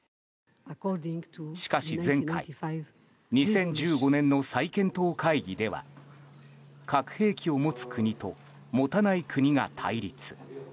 しかし前回２０１５年の再検討会議では核兵器を持つ国と持たない国が対立。